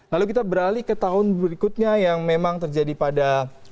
lalu kita beralih ke tahun berikutnya yang memang terjadi pada dua ribu tujuh belas